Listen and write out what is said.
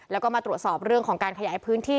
แล้วก็มาตรวจสอบเรื่องของการขยายพื้นที่